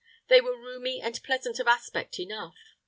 They were roomy and pleasant of aspect enough.